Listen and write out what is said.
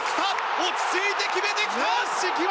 落ち着いて決めてきた！